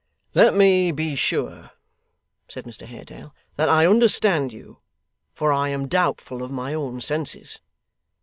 'Let me be sure,' said Mr Haredale, 'that I understand you, for I am doubtful of my own senses.